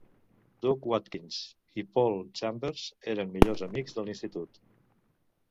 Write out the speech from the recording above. Doug Watkins i Paul Chambers eren millors amics de l'institut.